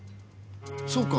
そうか。